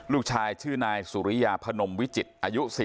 ลูกชายชื่อนายสุริยาพนมวิจิตรอายุ๔๐